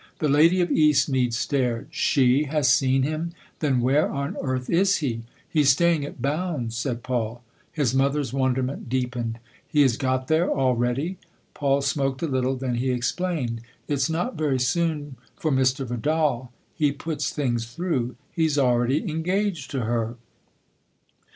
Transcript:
The lady of Eastmead stared. "She has seen him ? Then where on earth is he ?"" He's staying at Bounds," said Paul. His mother's wonderment deepened. "He has got there already ?" Paul smoked a little : then he explained. " It's not very soon for Mr. Vidal he puts things through. He's already engaged to her."